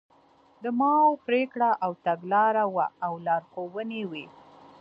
د ماوو پرېکړه او تګلاره وه او لارښوونې وې.